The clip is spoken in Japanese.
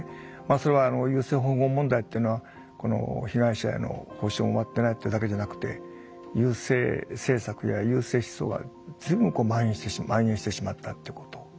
それは優生保護法問題っていうのは被害者への補償も終わってないっていうだけじゃなくて優生政策や優生思想が随分まん延してしまったってことですね